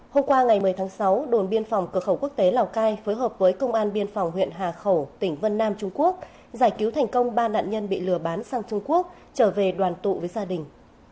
hôm qua ngày một mươi tháng sáu đồn biên phòng cửa khẩu quốc tế lào cai phối hợp với công an biên phòng huyện hà khẩu tỉnh vân nam trung quốc giải cứu thành công ba nạn nhân bị lừa bán sang trung quốc trở về đoàn tụ với gia đình